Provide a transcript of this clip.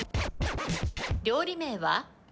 料理名は？